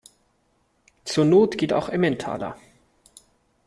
Zur Not geht auch Emmentaler.